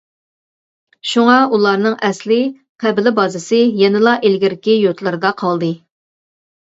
شۇڭا ئۇلارنىڭ ئەسلى قەبىلە بازىسى يەنىلا ئىلگىرىكى يۇرتلىرىدا قالدى.